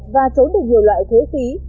và trốn được nhiều loại thuế phí